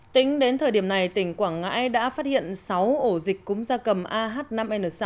tính đến thời điểm này tỉnh quảng ngãi đã phát hiện sáu ổ dịch cúm da cầm ah năm n sáu